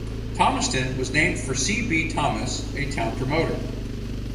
Thomaston was named for C. B. Thomas, a town promoter.